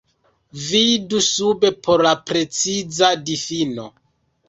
Vidu sube por la preciza difino.